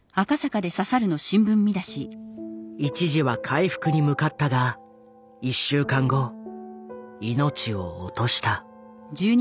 一時は回復に向かったが１週間後命を落とした。